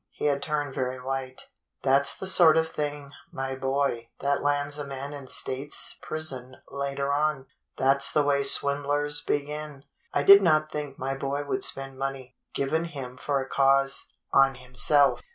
He had turned very white. "That's the sort of thing, my boy, that lands a man in State's Prison later on. That's the way swindlers begin. I did not think my boy would spend money, given him for a cause, on himself."